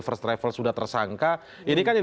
first travel sudah tersangka ini kan yang